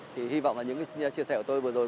thì hy vọng là những chia sẻ của tôi vừa rồi